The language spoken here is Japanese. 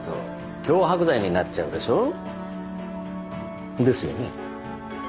脅迫罪になっちゃうでしょ？ですよね？